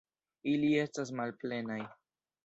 Ili estas malplenaj.